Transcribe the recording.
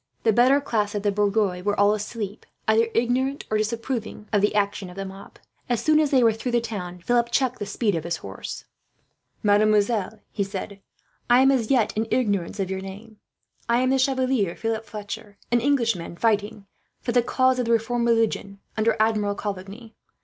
The better class of the bourgeois were all asleep, either ignorant or disapproving of the action of the mob. As soon as they were through the town, Philip checked the speed of his horse. "Mademoiselle," he said, "I am as yet in ignorance of your name. I am the Chevalier Philip Fletcher, an English gentleman fighting for the cause of the reformed religion, under Admiral Coligny.